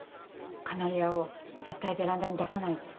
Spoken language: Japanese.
カナリアを絶対ベランダに出さないと。